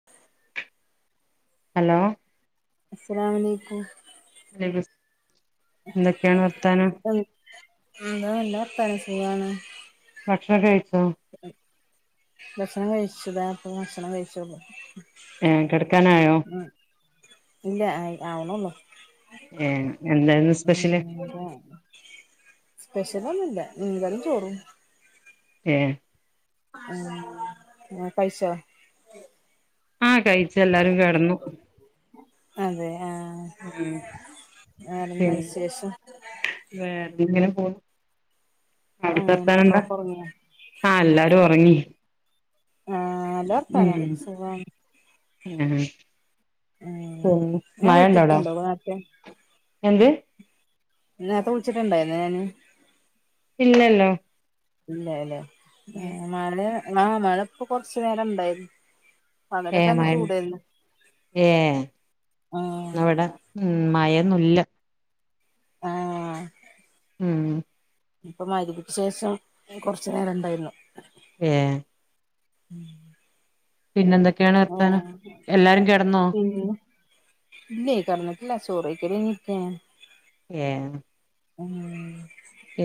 [inaudible] Hello അസ്സലാം അലൈക്കും എന്തൊക്കെയാണ് വർത്താനം എന്താ നല്ലർത്താന സുഖാണ് ഭക്ഷണൊക്കെ കൈച്ചോ ഭക്ഷണം കഴിച്ചതാപ്പ ഭക്ഷണം കഴിച്ച ഏഹ് കിടക്കാനായോ ഇല്ല ആയി ആവണള്ളൂ ഏഹ് എന്തായിരുന്നു സ്പെഷ്യല് [inaudible] സ്പെഷ്യലൊന്നും ഇല്ല മീൻകറിം ചോറും ഏഹ് ആഹ് കൈച്ചോ ആഹ് കഴിച്ചല്ലാരും കിടന്നു അതെ ആഹ് ഉം വേറെന്താ വിശേഷം വേറെന്ത് ങ്ങനെ പോണൂ അവിടുത്തെ ഏഹ് വർത്താനംന്താ മക്കളൊക്കെ ഒറങ്ങിയോ ആഹ് എല്ലാരും ഉറങ്ങി ആഹ് നല്ല വർത്താനം സുഖമാണ് ഉം ഉം ഞാൻ മഴ ണ്ടോ ആടെ വിളിച്ചിട്ടുണ്ടോ നേരത്തെ എന്ത്? നേരെത്തെ വിളിച്ചിട്ടുണ്ടായിരുന്നോ ഞാന് ഇല്ലല്ലോ. ഇല്ലല്ലേ ഏഹ് മഴ മഴ ഇപ്പൊ കൊറച്ചു നേരം ഇണ്ടായിരുന്നു പകലൊക്കെ ഏഹ് നല്ല മഴ ചൂടായിരുന്നു ഏഹ് ആഹ് ന്നാ വ്ടെ ഉം മയന്നൂല്ല [unintelligible] ഉം.. ഇപ്പൊ മഗ്‌രിബ് ക്ക്‌ശേഷം കൊറച്ചു നേരം ഉണ്ടായിരുന്നു ഏഹ് [unintelligible] പിന്നെ എന്തൊക്കെയാണ് വർത്താനം ആഹ് എല്ലാരും കിടന്നോ പിന്നെ ഇല്ലേ കെടന്നിട്ടില്ല ചോറെയ്ക്കൽ കഴിഞ്ഞിട്ടിരിക്കാൻ ഏഹ് ഉം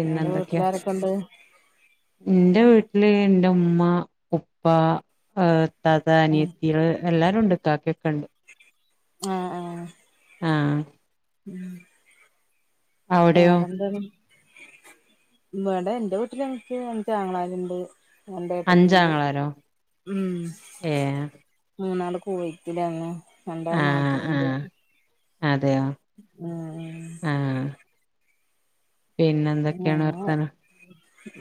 ങ്ങടെ വീട്ടിലാരൊക്കെ ഉണ്ട് എന്റെ വീട്ടില് എന്റെ ഉമ്മ ഉപ്പ താത്ത ഉം അനിയത്തിയാൾ എല്ലാരും ഉണ്ട് കാക്കയുമൊക്കെണ്ട് ആഹ് ആഹ് ആഹ് [unintelligible] അവിടെയോ വേറെന്താണ് വ്ടെ ന്റെ വീട്ടിൽ എനിക്ക് എനക്ക് അഞ്ചു ആങ്ങളാരുണ്ട് രണ്ടു ഏട്ടത്തി ണ്ട് അഞ്ചാങ്ങളാരോ ഉം ഏഹ് മൂന്നാൾ കുവൈറ്റ്ൽന്നെ രണ്ടാള് ആഹ് നാട്ടിലുണ്ട് ആഹ് അതെയോ ഉം ആഹ് പിന്നെ എന്തൊക്കെയാണ് ഏഹ് വർത്താനം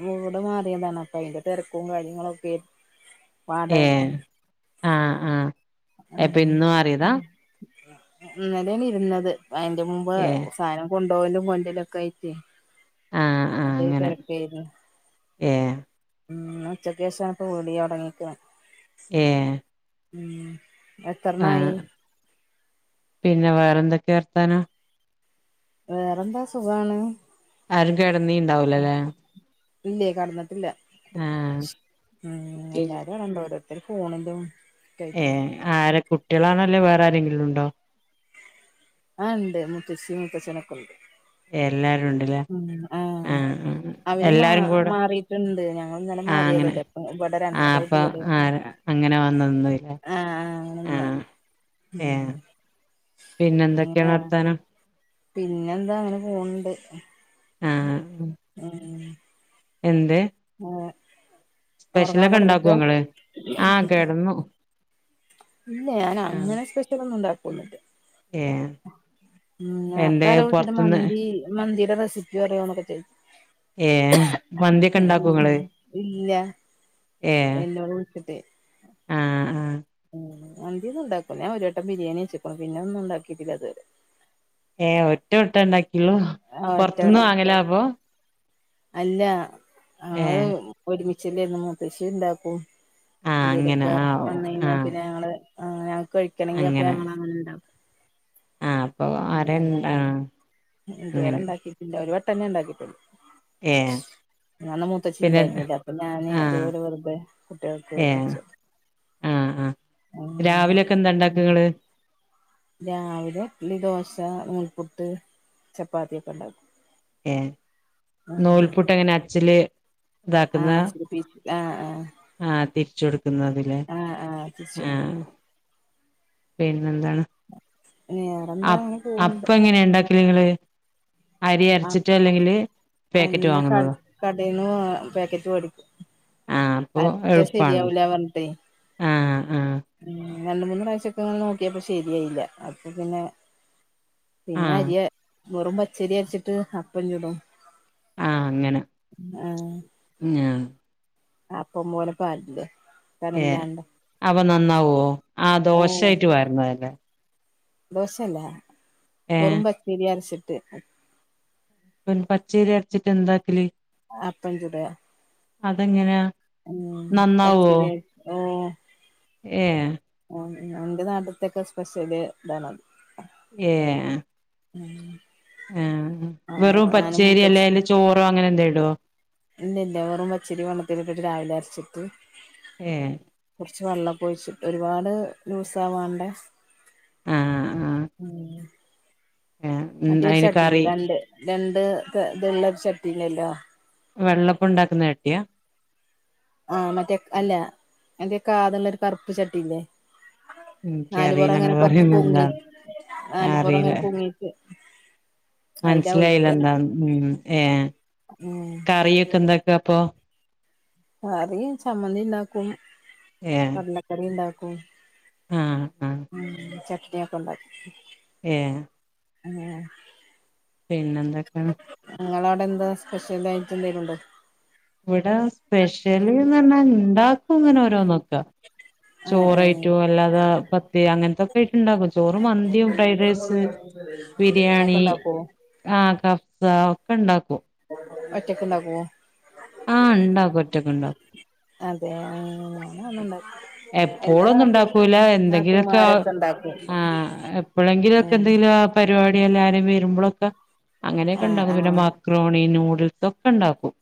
വീട് മാറിയതാണ് അപ്പൊ അയിന്റെ തിരക്കും കാര്യങ്ങളും ഒക്കെ ഏഹ് ആഹ് ആഹ് അപ്പൊ ഇന്ന് മാറിയതാ? ഇന്നലാണ് ഇരുന്നത് അയിന്റെ മുമ്പ് ഏഹ് സാധനം കൊണ്ടോവാലും കൊണ്ടൊരലും ആയിട്ട് ആഹ് ആഹ് അപ്പൊ ഈ അങ്ങനെ തെരെക്കേയിരുന്നു ഏഹ് ന്ന് ഉച്ചക്ക് ശേഷമാണ് വിളി തുടുങ്ങീക്ക്ന ഏഹ് ഉം ആഹ് എത്രെണ്ണായി പിന്നെ വേറെ എന്തൊക്കെ വർത്താനോ വേറെന്താ സുഖാണ് ആരും കിടന്നീണ്ടാവൂലല്ലല്ലേ ഇല്ലേ കടന്നിട്ടില്ല ആഹ് എല്ലാരും ആടെണ്ട് ഓരോത്തർ ഫോൺലും ഏഹ് ആരെ കുട്ടികളാണോ ല്ലേ വേറെ ആരെങ്കിലും ഉണ്ടോ ആഹ് ഉണ്ട്മൂത്തച്ചിം മൂത്തച്ഛനും ഒക്കെ ണ്ട് എല്ലാരും ഉണ്ട് ഉം ആഹ് അവര് മാ എല്ലാരും കൂടെ മാറിട്ടുണ്ട് ഞങ്ങൾ ഇന്നലെ ആഹ് അങ്ങനെ മാറിയതല്ലേ ഇവിടെ രണ്ടു ആഹ് ദിവസായിട്ട് അപ്പൊ ഇവിടെ ആഹ് അങ്ങനെ വന്ന് നിന്നല്ലേ ആഹ് ആഹ് നിന്ന് ആഹ് ഉം ഏഹ് പിന്നെ എന്തൊക്കെയാണ് വർത്താനം പിന്നെന്താ അങ്ങനെ പോണണ്ട് ഉം എന്തെ [unintelligible] ഒറങ്ങാൻ സ്പെഷ്യലൊക്കെ കെടന്ന്ക്കാ ഉണ്ടാക്കോങ്ങള് ആഹ് കേടന്നു ഇല്ല ഞാൻ അങ്ങനെ സ്പെഷ്യൽ ഒന്നും ഉണ്ടാക്കുലട്ടോ ഏഹ് എന്തേ നേർത്താര വിളിച്ചട്ട പൊറത്തുന്ന് മന്തി മന്തിയുടെ റെസിപ്പി അറിയോന്ന് ക്കെ ചെയ് ഏഹ് മന്തിയൊക്കെ ഇണ്ടാക്കോ ഇങ്ങള് ഇല്ല ഏഹ് എല്ലോ വിളിച്ചിട്ട് ആഹ് ആഹ് ഉ് മന്തി ഒന്ന്ഉണ്ടാക്കും ഞൻ ഒരു വട്ടം ബിരിയാണി വെച്ച്ക്ക്ണ് പിന്നെ ഒന്നും ഉണ്ടാക്കിട്ടില്ല ഇതുവരെ ഏ ഒറ്റ വട്ടഉണ്ടാക്കിള്ളു ആഹ് ഒറ്റ വട്ടം അല്ല ഏ ഒരുമിച്ചെലെന്നു മൂത്തച്ചി ഇണ്ടാക്കും ആഹ് അങ്ങനെ എന്തേലൊക്കെ ആഹ് വന്ന കഴിഞ്ഞാ ആഹ് പിന്നെ ഞങ്ങള് ആ ഹ്ഞങ്ങക്ക് കഴിക്കണകി അപ്പൊ അങ്ങനെ ഞങ്ങളങ്ങനെ ഉണ്ടാക്കും ആഹ് അപ്പൊ ആരേണ്ട ആഹ് ഇതുവരെ അങ്ങനെ ഉണ്ടാക്കിട്ടില്ല ഒരു വെട്ട ഞാൻ ഉണ്ടാക്കിട്ടുള്ളു ഏ ഞാന്ന മൂത്ത ചിണ്ടായിരുന്നില്ല അപ്പൊ ഞാന് ആഹ് അതുപോലെ വെറുതെ കുട്ടികൾക്ക് ഏഹ് വച്ച് ആഹ് ആഹ് രാവിലൊക്കെ എന്താ ഉണ്ടാക്ക ഉം നിങ്ങള് രാവിലെ ഇഡ്ലി ദോശ നൂൽപ്പുട്ട് ചപ്പാത്തിയൊക്കെ ഉണ്ടാക്കും ഏ ആഹ് നൂൽപ്പുട്ട് എങ്ങനെ അച്ചല് ഇതാക്കുന്ന ആഹ് ഇച്ചിരി പീച്ച് ആഹ് ആഹ് ആഹ് തിരിച്ച കൊടുക്കുന്ന അതില് ആഹ് ആഹ് തിരിച്ച് കൊടുക്കും ആഹ് പിന്നെന്താണ് വേറെന്താ അപ് അങ്ങനെ പോവ്ണ്ട് അപ്പങ്ങെനെ ണ്ടാക്കല്ങ്ങള് അരി അരച്ചിട്ടോ അല്ലെങ്കില് പാക്കറ്റ് വാങ്ങുന്നതോ അല്ലപാദ് കടേന്ന് വാ പേക്കറ്റ് വേടിക്കാ ആഹ് അപ്പൊ അര്ച്ച എളുപ്പാണ് ശ്ചരിയാവുലാ പർഞ്ഞ്ട്ടയ് ആഹ് ആഹ് ഉം രണ്ട് മൂന്ന് പ്രാവശ്യൊക്കെ നോക്കിയപ്പശരിയായില അപ്പൊ പിന്നെ പിന്നെ ആഹ് അര്യാ വെറും പച്ചരിയര്ച്ചിട്ട് അപ്പം ചുടും ആഹ് അങ്ങനെ മ്യാ ആപ്പോംമ്പോലെ പാര്ല്ലേ യെ അപ്പൊ നന്നാവോ ആഹ് ഓ ദോശയ്റ്റ് വാര്ണഅല്ലേ ദോശല്ലാ വെറും ഏഹ് പച്ചരി അരച്ചിട്ട് പൻ പച്ചേരി അര്ച്ചിട്ട് എന്താക്കല് അപ്പം ചുടാ അതെങ്ങെനെയാ ഉം പച്‌രി അരക് ആഹ് ഏ അന്ത്യ നാട്ട്ത്തെക്കെ സ്പെഷ്യല് ഇതാണത് ഏ ഉം ഏം വെറും പച്ചേരി അല്ലെല് ചോറോ അങ്ങനെന്തെടോ ഇല്ലേല്ല വെറും പച്ചരി വള്ളത്തില്ട്ട്ട്ട് രാവിലെ അര്ച്ചിട്ട് ഏ കുർച്ച് വള്ളക്കൊയ്ച്ചിട്ട് ഒരുപാട് ലൂസാവാണ്ട ആഹ് ആഹ് ഉം ഏഹ് ഉം അയിന് മറ്റേര്ചട്ടില്ലേ കറി രണ്ട് രണ്ട് ത് ദ്ള്ള ചട്ടില്ലല്ലോ വെള്ളപ്പം ണ്ടാക്ക്ന്നട്ട്യാ ആഹ് മറ്റേ അല്ല എന്തേ കാദ്ള്ളര് കറുപ്പ് ചട്ടില്ലേ നാല് എനിക്കറിയില്ല പൊറങ്ങനെ ഇങ്ങള് കൊർച്ച് പറയുന്ന എന്താ പൊങ്ങി നാല് പെറങ്ങനെ പൊങ്ങി [inaudible] മൻ സ്‌ലായിലന്താ ഉം ഏ ഉം കറിയൊക്കെ ന്താക്കാ അപ്പൊ കറി ചമ്മന്തിണ്ടാക്കും ഏഹ് കട്ലക്കറി ണ്ടാക്കും ആഹ് ആഹ് ഉം ചട്ട്ണിയൊക്കെണ്ടാ ഏ ഏ പിന്നന്തെക്കേണ് ഇങ്ങളോടെന്താ സ്പെഷ്യലായിറ്റ് എന്തേലുണ്ടോ വ്വടെ സ്പെഷ്യല് ന്നർഞ്ഞാ ണ്ടാക്കു ങ്ങനെ ഓരോന്നോക്ക ആഹ് ആഹ് ചോറായ്റ്റോ അല്ലാതാ പത്തി അങ്ങൻത്തൊക്കൊയ്റ്റ്ണ്ടാക്കു ചോറും മന്ത്യും ഫ്രൈഡേഴ്സ് അതൊക്കെ ബിരിയാണി ഉണ്ടാക്കോ ആഹ് കഫ്സ ഒക്കെണ്ടാക്കും ഒറ്റക്ക്ണ്ടാക്കോ ആഹ് ണ്ടാക്കുഒറ്റക്ക്ണ്ടാ അതെ ആഹ് ഞാനൊന്നുണ്ടാ എപ്പോളൊന്നുണ്ടാക്കൂല എന്തെങ്കിലുക്കെ ആഹ് നാത്തൂമാരൊക്കെ ഉണ്ടാക്കും ആഹ് ഉം എപ്പഴെങ്കിലുക്കെന്തെലാ പരിവാടി എല്ലാരും വരുമ്പോളൊക്കെ ആഹ് അങ്ങനെയൊക്കെണ്ടാകും പിന്നെ ആഹ് മാക്രോണി നൂഡിൽസ് ക്കെണ്ടാക്കും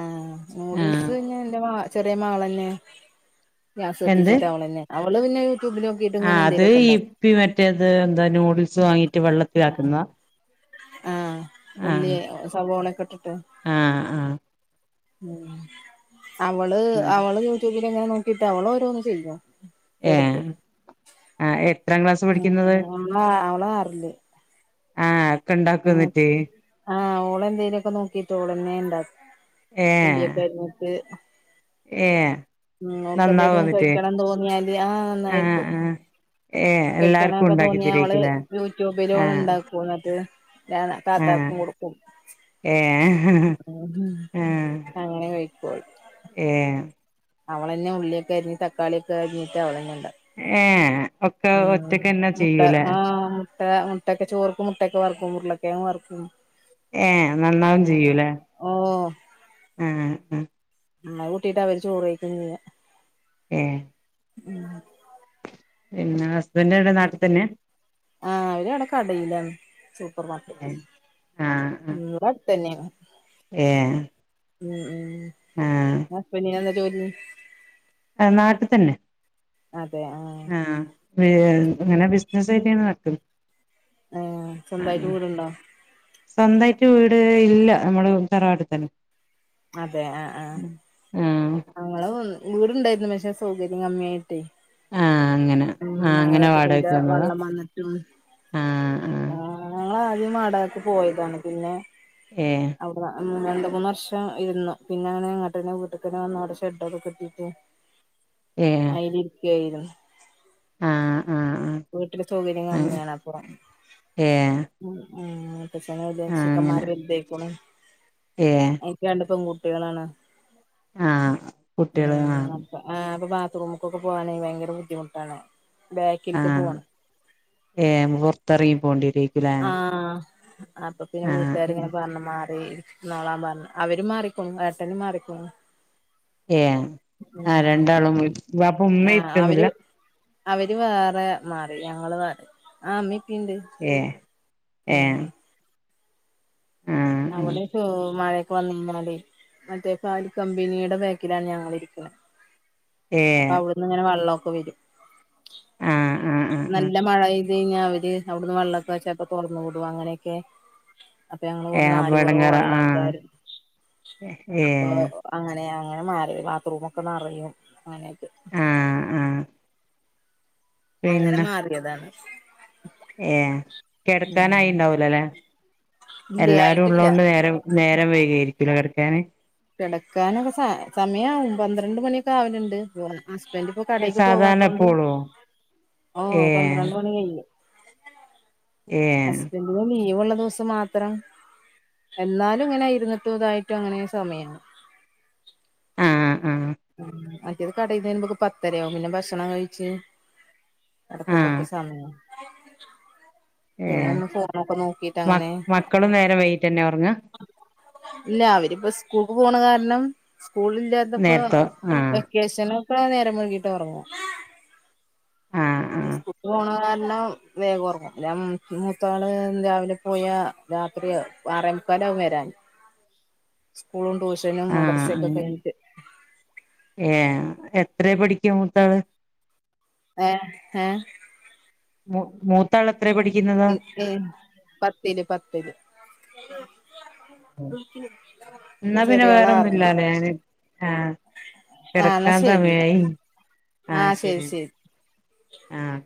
ആഹ് നൂഡിൽസ് ന്നെ ന്റെമാ ചെറിയ മാകളന്നെ ഗ്യാസ് കത്തിച്ചിട്ട് അവളന്നെ അവള് പിന്നെ യൂട്യൂബിലോ ആ അത് ഇപ്പി മറ്റേത് എന്താ നൂഡിൽസ് വാങ്ങിട്ട് വെള്ളത്തില് ആക്കുന്ന. ആഹ് ഉള്ളി സവോള ഒക്കെ ഇട്ടിട്ട്. ആഹ് ആഹ് ഉം. അവള് ഉം അവള് യൂട്യൂബില് എങ്ങനെ നോക്കിട്ട് അവള് ഓരോന്ന് ചെയ്യും. ചെറുത് ഏഹ് ആഹ് എത്രാം ക്ലാസ് പഠിക്കുന്നത് ആ അവള അവള ആറില് ആഹ് ഒക്കെ ഉണ്ടാക്കും ഉം. എന്നിട്ട് ആഹ് ഓള് എന്തേലൊക്കെ നോക്കിട്ട് ഓളന്നെണ്ടാക്കും. ഏഹ് ഉള്ളിയൊക്കെ അരിഞ്ഞിട്ട്. ഏഹ് നിങ്ങക്ക് നന്നാവോ എന്തെലും എന്നിട്ട് കഴിക്കണം എന്ന് തോന്നിയാല് ആ ആഹ് നന്നായിരിക്കും. ആഹ് ഏഹ് എല്ലാർക്കും കഴിക്കണംന്നൊക്കെ ഉണ്ടാക്കി തോന്നി അവള് തരേക്കുലേ യൂട്യൂബിലോ ആഹ് ഉണ്ടാക്കൂ. ന്നട് ഏ ആഹ് താത്താക്കും കൊടുക്കും. ഏഹ് അങ്ങനെ കഴിക്കോള്. ഏ. അവളെന്നെ ഉള്ളിയൊക്കെ അരിഞ്ഞിട്ട് തക്കളിയൊക്കെ അരിഞ്ഞിട്ട് അവളന്നെണ്ടാക്കും. ഏ. ആ മുട്ട ആ മുട്ട മുട്ടൊക്കെ ചോർക്ക് മുട്ടയൊക്കെ വറക്കും. ഉരുളക്കിഴങ്ങ് വറക്കും. ഏ നന്നാവും ചെയ്യൂല്ലേ ഓ ആഹ്. ഉം. കൂട്ടീട്ട് അവര് ചോറ് കഴിക്കു ചെയ്യാ ഏ [inaudible] പിന്നെ ഹസ്ബൻ്റ് എവടെ നാട്ടിൽ തന്നെ. ആഹ് അവര് അവടെ കടയിലാന്ന് സൂപ്പർ മാർക്കറ്റ്. ഏഹ് തന്നെയാണ്. എ ഉം. ഹസ്ബൻഡിന് എന്താ ജോലി? ആഹ് നാട്ടിൽ തന്നെ. അതെ ആ ആഹ് അങ്ങനെ ബിസിനസ് തന്നെയാണോ ആൾക്കും ആ ആഹ് സ്വന്തായിട്ട് വീടുണ്ടോ സ്വന്തമായിട്ട് വീട് ഇല്ല നമ്മള് തറവാട്ട് തന്നെ. അതെ ആഹ് ആഹ് ആഹ് ഞങ്ങളും വീടുണ്ടായിരുന്നു പക്ഷെ സൗകര്യം കമ്മിയായിട്ടേ. ആഹ് അങ്ങനെ ആഹ് അങ്ങനെ മഴക്കെ പെയ്ത വാടകക്ക് വന്നതാ വെള്ളം വന്നിട്ട്. ആഹ് ആഹ് ഉം ഞങ്ങള് ആദ്യം വടകക്ക് പോയതാണ്. പിന്നെ ഏഹ്‌ അവ്ട്ന്ന് രണ്ട് മൂന്ന് വർഷം ട്ട ഇരുന്നു പിന്നെങ്ങനെ എങ്ങട്ടെന്നെ വീട്ടക്കനെ വന്ന് അവിടെ ഷെഡൊക്കെ കെട്ടീട്ട് അയിലിരിക്കെയ്നു. ആഹ്‌ ആഹ് ആഹ്‌ വീട്ടില് സൗകര്യം കമ്മിയാണ് അപ്പം ഏഹ് ഉം. പക്ഷണ ചെക്കൻമാര് വെൽതയ്ക്കുണു. എഏ ഇൻക് രണ്ട്പെൺകുട്ടിയാളാണ്. ആഹ് ഉം കുട്ടികള് ആഹ് അങ്ങനെ കൊ. ആ അപ്പം ബാത്റൂമ്ക്കൊക്കെ പോകൻ വാനെ ഭയങ്കരബുദ്ധിമുട്ടാണ്. ബാക്കില്ക്ക്പോണം ഏഹ്‌ പുറത്തിറങ്ങി പോണ്ടിയ്ര് യ് ആഹ്‌ അപ്പൊപിന്നെ ആഹ് വീട്ടാ ര് ങ്ങനെ പർഞ്ഞ്. മാറി നാളാം പറഞ്ഞ് അവരുംമാറിക്ക്ണു ഏട്ടനും മാറിക്ക്ണു. ഏ ആരണ്ടാളും. വിട ആ അവര് അവര് വേറെമാറി ഞങ്ങള് വേ ആ ഇമ്മി ഇപ്പിം പിം ണ്ട് ഏഹ് ഉം ഏഹ് ആഹ് ആഹ് അവിടിം ചൊ മഴ [unintelligible] മറ്റേകാലികമ്പനിയുടെ ബേക്കിലാഞങ്ങളിരിക്ക്ണ്. ഏഹ് അപ്പൊവ്ടുന്ന്ങ്ങനെ വള്ളൊക്കെവരും. ആഹ് ആഹ് ആഹ് ആഹ് നല്ല മഴ എയ്ത്ഴിഞ്ഞാ അവര് അവ്ട്ന്ന് വള്ളൊക്കെ വ ചെൽപ്പോ തൊറന്ന്‌വിടു. അങ്ങനെയൊക്കെ അപ്പ ഞങ്ങളെ കൂടെ ഏഹ് അപ്പൊ നാല് പുറവും എടങ്ങേറ വള്ള ആഹ് ആപ്പായ്ര്ന്ന് അപ്പൊ ഏഹ് അങ്ങനെ അങ്ങനെമാറി ബാത്റൂമൊക്കെനറയും. അങ്ങനെ- ആഹ് ആഹ് അങ്ങനെ മാറിയതാണ്. ഏഹ്‌, ഉം കെട്ക്കാനായിണ്ടാവൂലലേ? ഇല്ലേ എല്ലാരും ആയിട്ടില്ല ഉള്ളൊണ്ട് നേരം നേരം വൈകയിരിക്കുലെ കടക്കാന്? കെടക്കാനൊക്കെ സ സമയാവും പന്ത്രണ്ട്മണിയൊക്കാവല്ണ്ട്. [unintelligible] ഹസ്ബന്റ്പ്പോ സാധാരണ കടേക്ക്പോവാത്തൊണ്ട് എപ്പോളോ ഏ ഓഹ്, പന്ത്രണ്ട് മണി കയ്ഴും. ഏ ഹസ്ബന്റ്ന് ലീവുള്ള ദിവസം മാത്രം എന്നാലുംങ്ങനെ ഇരുന്നിട്ടും തായിട്ടും അങ്ങനെ സമയാവും. ആഹ്‌ ആഹ്‌ മറ്റേത് കടേന്ന് വരുമ്പക്ക് പത്തരയാവും, പിന്നെ ഭഷണംകഴിച്ച് ആ കടക്കുമ്പോക്ക് സമയവു ഏ പിന്നൊന്ന് ഫോണൊക്കെ മ നോക്കീട്ടങ്ങനെ മക്കളും നേരം വൈകിട്ടന്നെ ഉറങ്ങാ ഇല്ല, അവരിപ്പോ ഉസ്കൂൾക്ക് പോണ കാരണം സ്കൂളില്ലാ പ്പൊ നേരത്തോ ആ വെക്കേഷനൊക്കെ നേരം വെകിട്ടൊറ്ങ്ങു ആ ആ ന്ന് സ്കൂക്ക്പോണ കാരണം വേഗം ഒർങ്ങും. ല്ല മൂ മൂത്താള് രാവിലെ പോയാ രാത്രിയൊ ആറേമുക്കാലാവും വരാന്. സ്കൂളും ട്യൂഷനും ആ മദർസ്സൊക്കെ കഴിഞ്ഞിട്ട്. ഏഹ്‌, എത്രെ പഠിക്കും മൂത്താള്? എഹ്‌ ഏഹ്‌ മു മൂത്താള് എത്രെ പഠിക്ക്ന്നത്? ഏ പത്തില് പത്തില് ഇന്നാ പിന്നെ ചെറിയാള് ആറില് വേറെന്നുംല്ലല്ലെ. ഞാന് ആഹ്‌ ആ എന്നാ കെടക്കാൻ ശരിന്നാ സമയായി. ആഹ്‌ ശരി ആഹ്‌.